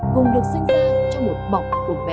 cùng được sinh ra trong một cuộc đời